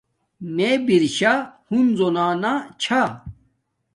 میے برشا ہنزونا چھا